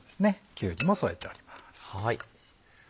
きゅうりも添えてあります。